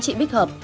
chị bích hợp